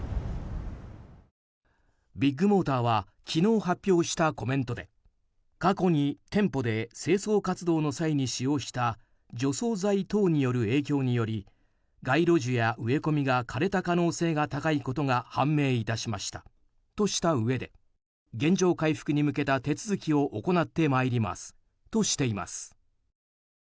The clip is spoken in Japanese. ビッグモーターは昨日発表したコメントで過去に店舗で清掃活動の際に使用した除草剤等による影響により街路樹や植え込みが枯れた可能性が高いことが判明いたしましたとしたうえで原状回復に向けた手続きを行ってまいりますとしています。